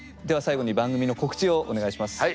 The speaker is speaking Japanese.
では最後に番組の告知をお願いします。